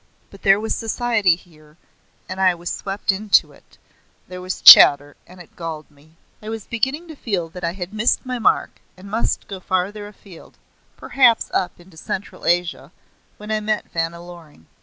But there was society here, and I was swept into it there was chatter, and it galled me. I was beginning to feel that I had missed my mark, and must go farther afield, perhaps up into Central Asia, when I met Vanna Loring.